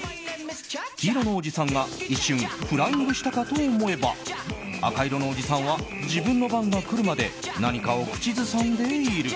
黄色のおじさんが一瞬フライングしたかと思えば赤色のおじさんは自分の番が来るまで何かを口ずさんでいる。